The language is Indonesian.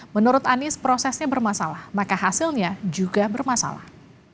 menurut anies prosesnya bermasalah maka hasilnya juga bermasalah